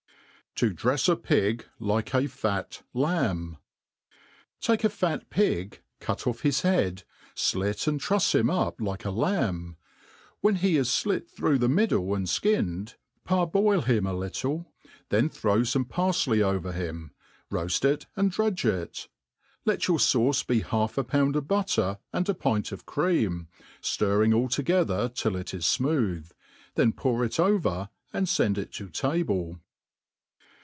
% To drefi a Pig like a fat Lamb* TA^E a fatptg, cut off his head) flit and trufs him up like X lamb; when he is flit through the middle and (kinned, par boil hinv a little^ then throw fpme parfley over him, roaft it and drudge it. Let your fauce be half a pound of butter and a pint of cream, ftirring all together till it is fmooth ; then popr it over and fend it to table.